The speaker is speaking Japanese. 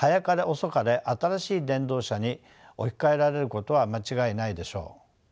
新しい電動車に置き換えられることは間違いないでしょう。